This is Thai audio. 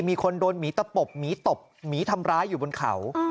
มีคนโดนหมีตะปบหมีตบหมีทำร้ายอยู่บนเขา